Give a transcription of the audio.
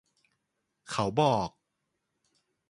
เขาบอก